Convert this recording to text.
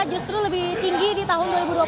justru lebih tinggi di tahun dua ribu dua puluh